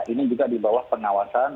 ini juga di bawah pengawasan